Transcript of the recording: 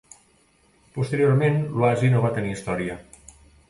Posteriorment l'oasi no va tenir història.